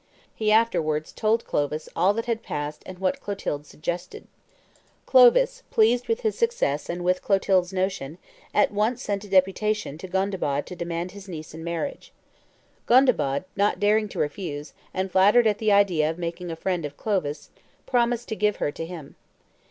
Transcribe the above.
He afterwards told Clovis all that had passed and what Clotilde suggested. Clovis, pleased with his success and with Clotilde's notion, at once sent a deputation to Gondebaud to demand his niece in marriage. Gondebaud, not daring to refuse, and flattered at the idea of making a friend of Clovis, promised to give her to him.